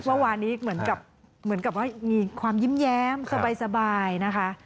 เมื่อวานนี้เหมือนกับมีความยิ้มแย้มสบายนะคะ